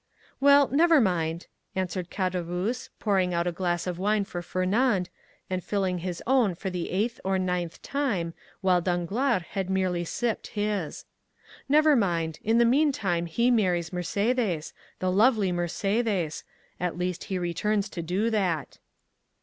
"Well, never mind," answered Caderousse, pouring out a glass of wine for Fernand, and filling his own for the eighth or ninth time, while Danglars had merely sipped his. "Never mind—in the meantime he marries Mercédès—the lovely Mercédès—at least he returns to do that."